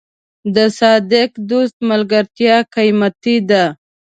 د صادق دوست ملګرتیا قیمتي ده.